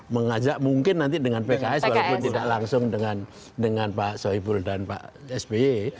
mengajak mungkin nanti dengan pks walaupun tidak langsung dengan pak soebul dan pak sby